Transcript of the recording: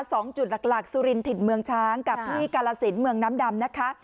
สองจุดหลักหลักสุรินถิ่นเมืองช้างกับที่กาลสินเมืองน้ำดำนะคะ